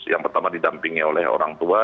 yang pertama didampingi oleh orang tua